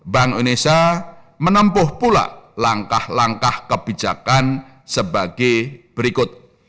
bank indonesia menempuh pula langkah langkah kebijakan sebagai berikut